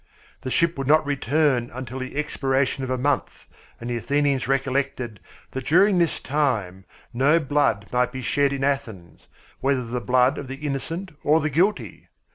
The ship would not return until the expiration of a month, and the Athenians recollected that during this time no blood might be shed in Athens, whether the blood of the innocent or the guilty.